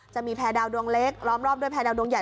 จะมีแพรดาวดวงเล็กล้อมรอบด้วยแพรดาวดวงใหญ่